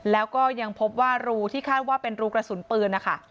แล้วก็ยังพบว่ารูที่คาดว่าเป็นรูกระสุนปืนนะคะ